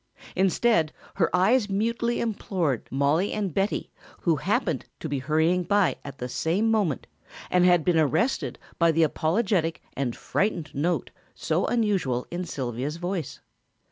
Instead, her eyes mutely implored Mollie and Betty who happened to be hurrying by at the same moment and had been arrested by the apologetic and frightened note so unusual in Sylvia's voice.